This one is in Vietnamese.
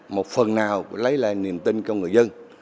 một phần nào lấy lại niềm tin cho người dân